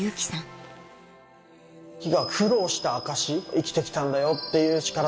生きてきたんだよっていう。